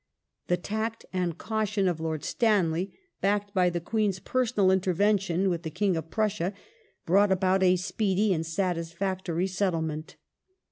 The tact and caution of lq^^^jq^ Lord Stanley, backed by the Queen's personal intervention with the King of Prussia, brought about a speedy and satisfactory settlement.